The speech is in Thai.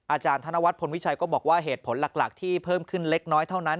อาจารย์ธนวัฒนพลวิชัยก็บอกว่าเหตุผลหลักที่เพิ่มขึ้นเล็กน้อยเท่านั้น